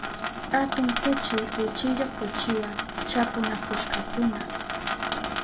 Atun kuchi uchilla kuchiwa chapunakushkakuna.